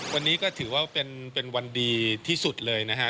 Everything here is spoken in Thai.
วันนี้ก็ถือว่าเป็นวันดีที่สุดเลยนะฮะ